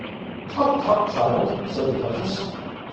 ‘Tut, tut, child!’ said the Duchess.